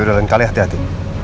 ya udah lain kali hati hati